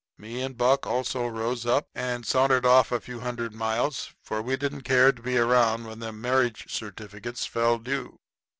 Me and Buck also rose up and sauntered off a few hundred miles; for we didn't care to be around when them marriage certificates fell due.